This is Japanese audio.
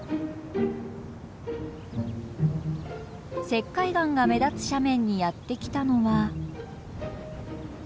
石灰岩が目立つ斜面にやって来たのは。